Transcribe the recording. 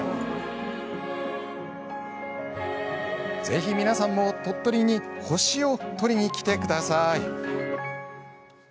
ぜひ、皆さんも鳥取に星を取りに来てください。